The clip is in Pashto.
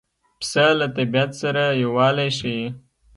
پسه له طبیعت سره یووالی ښيي.